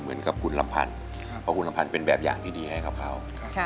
เพราะคุณลำพันเป็นแบบอย่างที่ดีให้ครับเขา